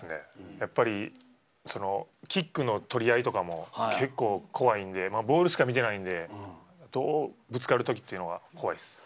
やっぱりキックの取り合いとかも結構怖いので、ボールしか見てないので、ぶつかるときというのは怖いです。